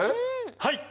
はい！